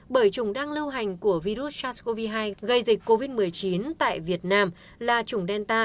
bởi chủng đang lưu hành của virus sars cov hai gây dịch covid một mươi chín tại việt nam là chủng delta